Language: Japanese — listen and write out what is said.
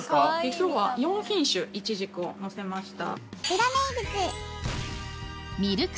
今日は４品種いちじくをのせました。